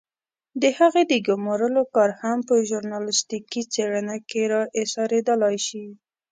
د هغې د ګمارلو کار هم په ژورنالستيکي څېړنه کې را اېسارېدلای شي.